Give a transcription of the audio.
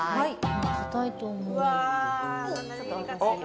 硬いと思う。